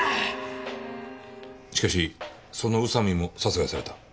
しかしその宇佐美も殺害された。